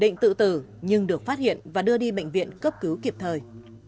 định tự tử nhưng được phát hiện và đưa đi bệnh viện cấp cứu kịp thời